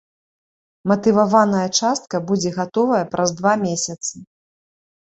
Матываваная частка будзе гатовая праз два месяцы.